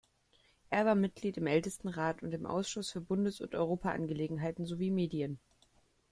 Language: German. Er war Mitglied im Ältestenrat und im Ausschuss für Bundes- und Europaangelegenheiten sowie Medien.